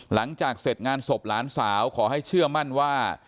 หลังจากเสร็จงานศพหลานสาวขอให้เชื่อมั่นว่า